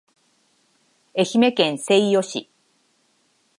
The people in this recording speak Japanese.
愛媛県西予市